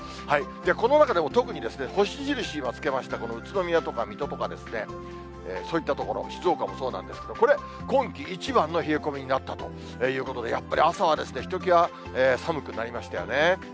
この中でも特に星印、今つけました、この宇都宮とか水戸とかですね、そういった所、静岡もそうなんですが、これ、今季一番の冷え込みになったということで、やっぱり朝はひときわ寒くなりましたよね。